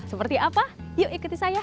seperti apa yuk ikuti saya